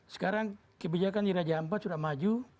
sekarang kebijakan di raja ampat sudah maju